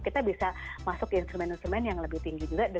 kita bisa masuk ke instrumen instrumen yang lebih tinggi juga